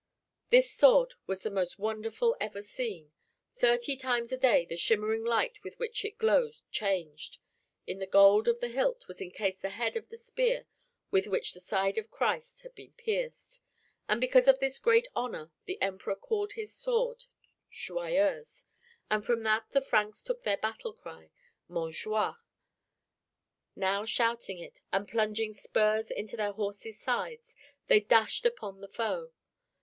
This sword was the most wonderful ever seen. Thirty times a day the shimmering light with which it glowed changed. In the gold of the hilt was encased the head of the spear with which the side of Christ had been pierced. And because of this great honor the Emperor called his sword Joyeuse, and from that the Franks took their battle cry "Montjoie." Now shouting it, and plunging spurs into their horses' sides, they dashed upon the foe.